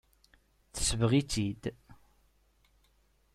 Tesbeɣ-itt-id.